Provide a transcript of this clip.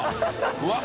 うわっ！